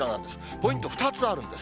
ポイント２つあるんです。